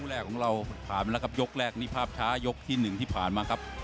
แรกของเราผ่านมาแล้วครับยกแรกนี่ภาพช้ายกที่๑ที่ผ่านมาครับ